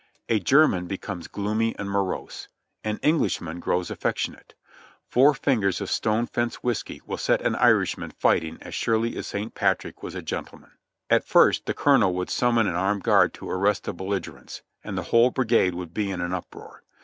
A German becomes gloomy and morose ; an Englishman grows affectionate; four fingers of stone fence whiskey will set an Irishman fighting as surely as St. Patrick was a gentleman. At first the colonel would summon an armed guard to arrest the belligerents, and the whole brigade would be in an uproar.